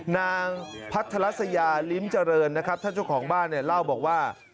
นางพัทรัสยาลิ้มเจริญนะครับท่านเจ้าของบ้านเนี่ยเล่าบอกว่า